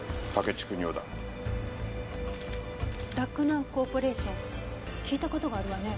洛南コーポレーション聞いた事があるわね。